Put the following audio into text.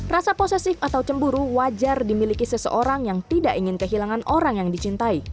rasa posesif atau cemburu wajar dimiliki seseorang yang tidak ingin kehilangan orang yang dicintai